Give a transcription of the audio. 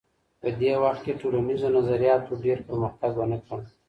په دې وخت کي ټولنیزو نظریاتو ډېر پرمختګ ونه کړ.